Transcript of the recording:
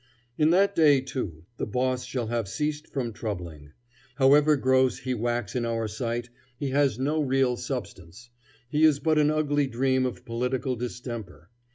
In that day, too, the boss shall have ceased from troubling. However gross he wax in our sight, he has no real substance. He is but an ugly dream of political distemper.